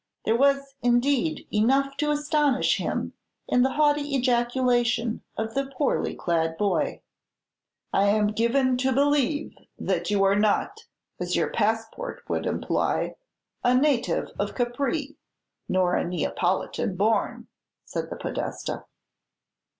There was, indeed, enough to astonish him in the haughty ejaculation of the poorly clad boy. "I am given to believe that you are not as your passport would imply a native of Capri, nor a Neapolitan born," said the Podestà.